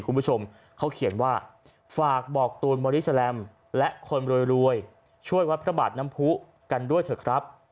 คุณผู้ชมเขาเขียนว่าฝากบอกตูนบอดี้แลมและคนรวยช่วยวัดพระบาทน้ำผู้กันด้วยเถอะครับ